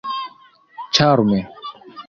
ĉarme